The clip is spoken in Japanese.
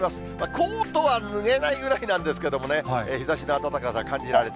コートは脱げないぐらいなんですけどもね、日ざしの暖かさ感じられて。